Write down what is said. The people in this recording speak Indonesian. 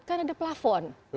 kan ada plafon